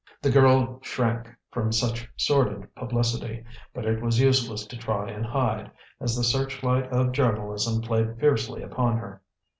The girl shrank from such sordid publicity, but it was useless to try and hide, as the searchlight of journalism played fiercely upon her.